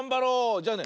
じゃあね